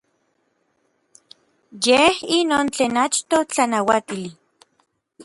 Yej inon tlen achtoj tlanauatili.